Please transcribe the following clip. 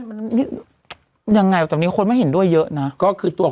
มันยังไงตรงนี้คนไม่เห็นด้วยเยอะน้ะ